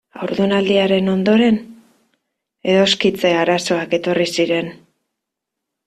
Haurdunaldiaren ondoren edoskitze arazoak etorri ziren.